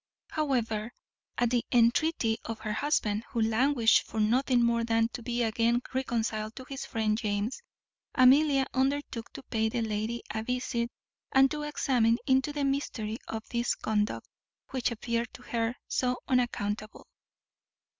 However, at the entreaty of her husband, who languished for nothing more than to be again reconciled to his friend James, Amelia undertook to pay the lady a visit, and to examine into the mystery of this conduct, which appeared to her so unaccountable.